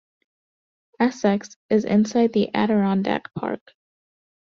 Essex is inside the Adirondack Park.